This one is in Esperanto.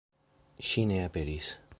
Ŝi ne aperis.